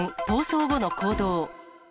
逃走後の行動。